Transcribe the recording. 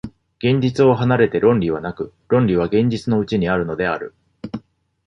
現実を離れて論理はなく、論理は現実のうちにあるのである。